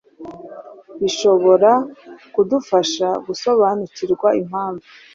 bishobora kudufasha gusobanukirwa impamvu